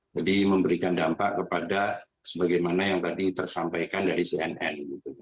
jadi memberikan dampak kepada sebagaimana yang tadi tersampaikan dari cnn